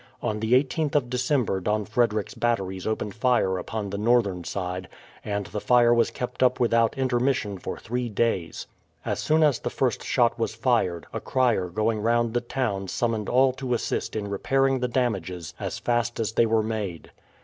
On the 18th of December Don Frederick's batteries opened fire upon the northern side, and the fire was kept up without intermission for three days. As soon as the first shot was fired, a crier going round the town summoned all to assist in repairing the damages as fast as they were made.